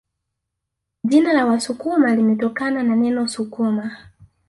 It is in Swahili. Jina la Wasukuma limetokana na neno sukuma